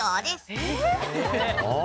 ・えっ？